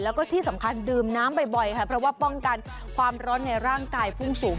แล้วก็ที่สำคัญดื่มน้ำบ่อยค่ะเพราะว่าป้องกันความร้อนในร่างกายพุ่งสูง